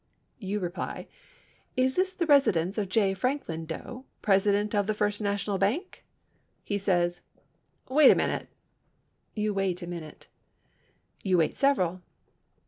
You reply, "Is this the residence of J. Franklin Doe, President of the First National Bank?" He says, "Wait a minute." You wait a minute. You wait several.